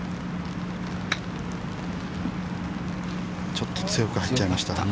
ちょっと強く入っちゃいました。